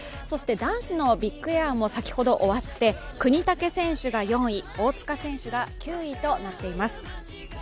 そして男子のビッグエアも先ほど終わって國武選手が４位、大塚選手が９位となっています。